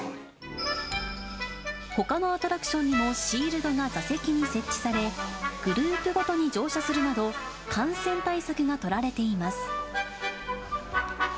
ほかのアトラクションにもシールドが座席に設置され、グループごとに乗車するなど、感染対策が取られています。